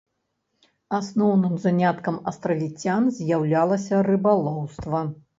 Асноўным заняткам астравіцян з'яўлялася рыбалоўства.